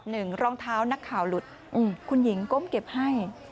รองเท้านักข่าวหลุดคุณหญิงก้มเก็บให้